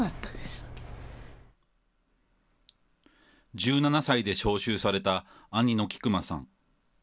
１７歳で召集された兄の菊間さん。